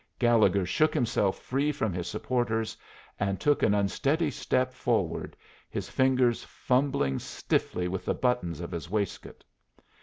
Gallegher shook himself free from his supporters, and took an unsteady step forward, his fingers fumbling stiffly with the buttons of his waistcoat.